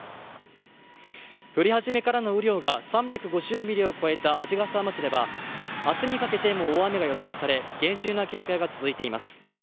降り始めからの雨量が３５０ミリを超えた鰺ヶ沢町では明日にかけても大雨が予想され、厳重な警戒が続いています。